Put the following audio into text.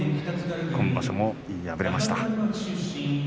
今場所も敗れました。